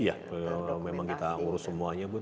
iya memang kita urus semuanya bu